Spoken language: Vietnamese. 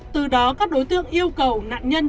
từ đó các đối tượng yêu cầu nạn nhân